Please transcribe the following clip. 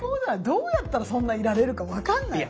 どうやったらそんないられるか分かんないよ。